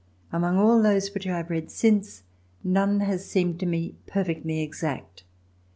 Among all those which I have read since, none has seemed to me perfectly exact.